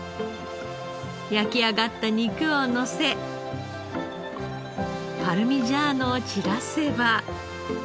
焼き上がった肉をのせパルミジャーノを散らせば。